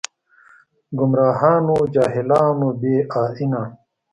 ګمراهان و جاهلان و بې ائينه